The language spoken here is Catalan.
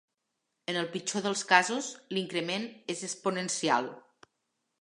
En el pitjor del casos, l'increment és exponencial.